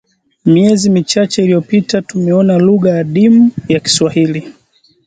Miezi michache iliyopita tumeona lugha adimu ya Kiswahili